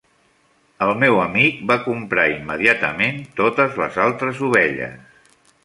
El meu amic va comprar immediatament totes les altres ovelles.